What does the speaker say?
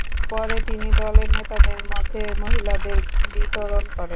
পরে তিনি দলের নেতাদের মধ্যে মহিলাদের বিতরণ করেন।